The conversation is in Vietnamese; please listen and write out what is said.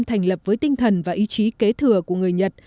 thành lập với tinh thần và ý chí kế thừa của người nhật